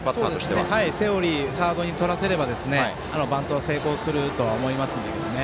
セオリーサードにとらせればバントは成功するとは思いますね。